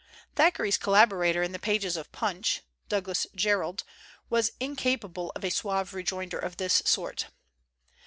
Thackeray's collaborator in the pages of Punch y Douglas Jerrold, was incapable of a suave rejoinder of this sort.